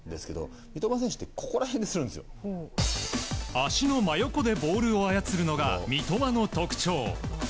足の真横でボールを操るのが三笘の特徴。